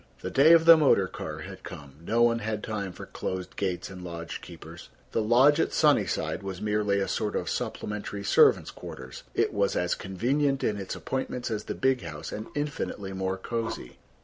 The day of the motor car had come; no one had time for closed gates and lodge keepers. The lodge at Sunnyside was merely a sort of supplementary servants' quarters: it was as convenient in its appointments as the big house and infinitely more cozy.